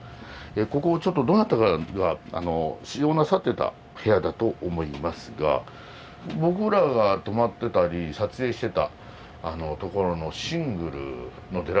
ここちょっとどなたかが使用なさってた部屋だと思いますが僕らが泊まってたり撮影してた所のシングルのデラックスの下がこういう形になってるんですね。